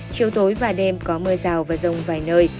chiều tối và đêm có mưa rào và rông vài nơi